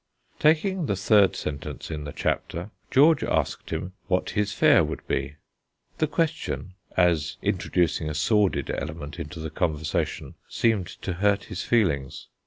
Taking the third sentence in the chapter, George asked him what his fare would be. The question, as introducing a sordid element into the conversation, seemed to hurt his feelings.